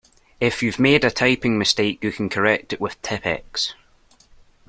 If you've made a typing mistake you can correct it with Tippex